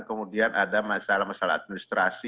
kemudian ada masalah masalah administrasi